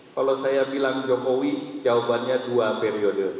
kalau saya bilang jokowi jawabannya dua periode